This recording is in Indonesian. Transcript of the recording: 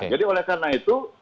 jadi oleh karena itu